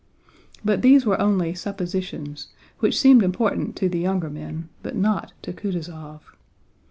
But these were only suppositions, which seemed important to the younger men but not to Kutúzov.